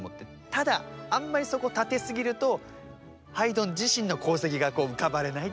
ただあんまりそこを立て過ぎるとハイドン自身の功績がこう浮かばれないっていう。